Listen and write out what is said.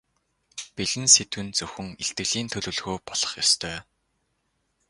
Бэлэн сэдэв нь зөвхөн илтгэлийн төлөвлөгөө болох ёстой.